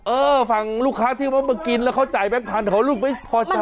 เออฝั่งลูกค้าที่ว่ามากินแล้วเขาจ่ายแบงค์พันธุ์ลูกไม่พอใจ